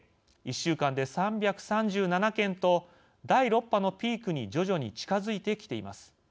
１週間で３３７件と第６波のピークに徐々に近づいてきています。